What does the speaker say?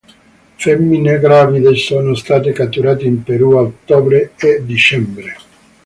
Femmine gravide sono state catturate in Perù a ottobre e dicembre.